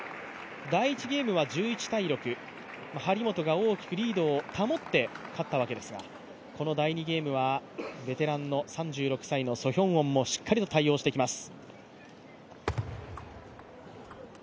第１ゲームは１１−６、張本が大きくリードを保って勝ったわけですがこの第２ゲームはベテランのソ・ヒョウォンもしっかりと対応してきます。